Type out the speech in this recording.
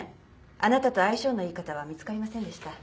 あなたと相性のいい方は見つかりませんでした。